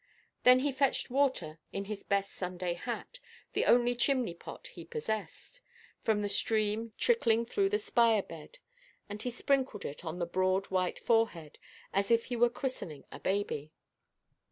Then he fetched water in his best Sunday hat—the only chimney–pot he possessed—from the stream trickling through the spire–bed; and he sprinkled it on the broad, white forehead, as if he were christening a baby.